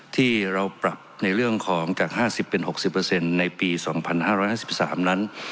ที่เราปรับในเรื่องของจาก๕๐เป็น๖๐ในปี๒๕๕๓นั้น